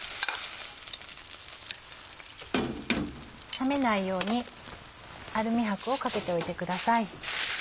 冷めないようにアルミ箔をかけておいてください。